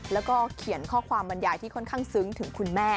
แล้วก็เขียนข้อความบรรยายที่ค่อนข้างซึ้งถึงคุณแม่